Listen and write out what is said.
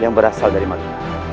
yang berasal dari malina